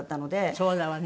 そうだわね。